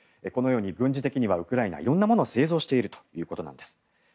このように軍事的にウクライナは色んなものを製造しているということです。